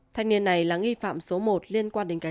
thanh niên này là nghi phạm số một liên quan đến cây